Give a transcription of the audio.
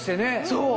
そう！